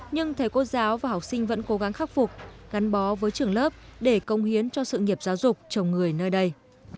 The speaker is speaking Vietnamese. nhưng thầy cô giáo và học sinh vẫn cố gắng khắc phục gắn bó với trường lớp để công hiến cho sự nghiệp giáo dục chồng người nơi đây